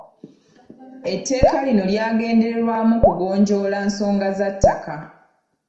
Etteeka lino lyagendererwamu kugonjoola nsonga za ttaka.